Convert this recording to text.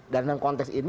dan dalam konteks ini